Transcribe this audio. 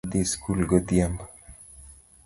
Adhi sikul godhiambo